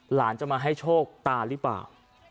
หลานจะมาให้โชคตาหรือเปล่า